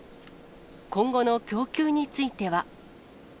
今後の供給については。